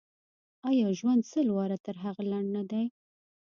آیا ژوند سل واره تر هغه لنډ نه دی.